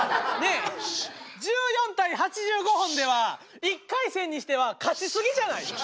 １４対８５本では１回戦にしては勝ち過ぎじゃない？